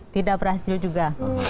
tidak berhasil juga